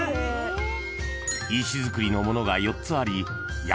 ［石造りのものが４つありいや